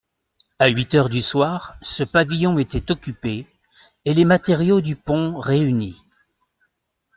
A huit heures du soir, ce pavillon était occupé, et les matériaux du pont réunis.